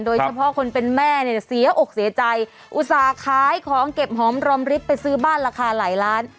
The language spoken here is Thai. โดยเฉพาะคนเป็นแม่เนี่ยเสียอกเสียใจอุตส่าห์ขายของเก็บหอมรอมริบไปซื้อบ้านราคาหลายล้าน